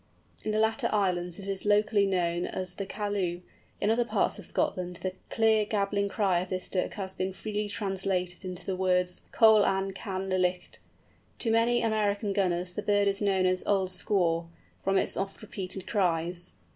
In the latter islands it is locally known as the "Calloo"; in other parts of Scotland the clear, gabbling cry of this Duck has been freely translated into the words "coal an' can'le licht." To many American gunners the bird is known as "Old Squaw," from its oft repeated cries.